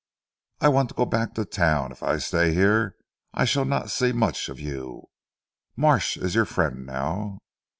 "I want to go back to town. If I stay here I shall not see much of you. Marsh is your friend now."